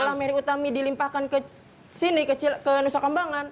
setelah mary utami dilimpahkan ke sini ke nusa kembangan